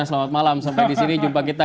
selamat malam sampai disini jumpa kita